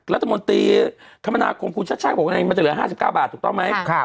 รัฐมนตรีคัมภนาคมคุณชัชชาบอกว่าไงมันจะเหลือห้าสิบเก้าบาทถูกต้องไหมครับ